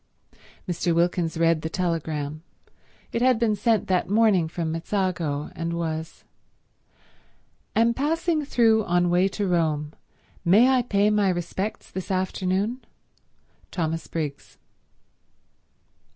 Mr. Wilkins read the telegram. It had been sent that morning from Mezzago, and was: Am passing through on way to Rome. May I pay my respects this afternoon? Thomas Briggs.